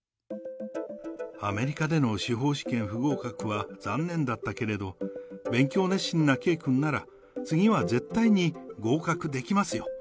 アメリカでの司法試験不合格は残念だったけれど、勉強熱心な圭君なら、次は絶対に合格できますよ。